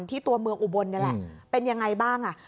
ตัวเมืองอุบลนี่แหละเป็นยังไงบ้างอ่ะ